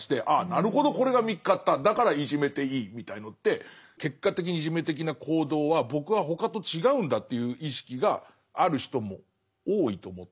なるほどこれが見っかっただからいじめていいみたいのって結果的にいじめ的な行動は僕は他と違うんだという意識がある人も多いと思ってて。